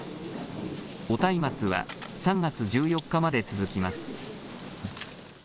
お松明は、３月１４日まで続きます。